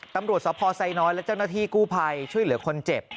ตำรวจสภไซน้อยและเจ้าหน้าที่กู้ภัยช่วยเหลือคนเจ็บ